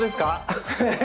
ええ？